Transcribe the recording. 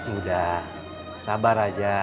udah sabar aja